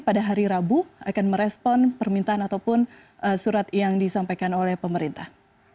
pada hari rabu akan merespon permintaan ataupun surat yang disampaikan oleh pemerintah